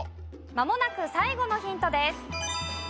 まもなく最後のヒントです。